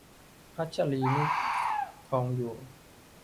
พัชรีนิษฐ์ ทองอยู่